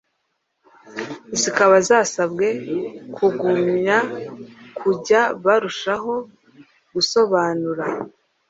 zikaba zasabwe kugumya kujya barushaho gusobanura